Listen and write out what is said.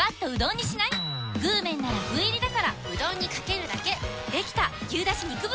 具麺なら具入りだからうどんにかけるだけできた！